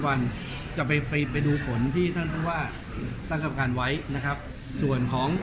วันจะไปไปดูผลที่ท่านผู้ว่าตั้งกรรมการไว้นะครับส่วนของ